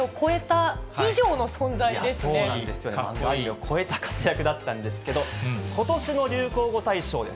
超えた活躍だったんですけど、ことしの流行語大賞です。